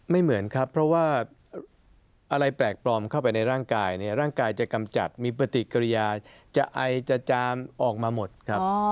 ไม่เหมือนครับเพราะว่าอะไรแปลกปลอมเข้าไปในร่างกายเนี่ยร่างกายจะกำจัดมีปฏิกิริยาจะไอจะจามออกมาหมดครับ